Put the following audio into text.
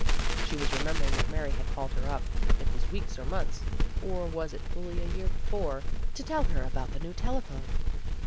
She was remembering that Mary had called her up it was weeks or months, or was it fully a year before to tell her about the new telephone.